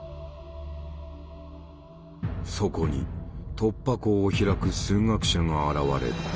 そこに突破口を開く数学者が現れる。